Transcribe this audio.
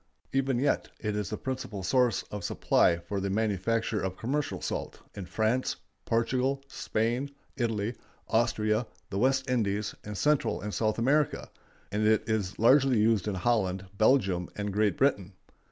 Even yet it is the principal source of supply for the manufacture of commercial salt in France, Portugal, Spain, Italy, Austria, the West Indies, and Central and South America; and it is largely used in Holland, Belgium, and Great Britain.